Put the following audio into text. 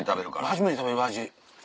初めて食べる味。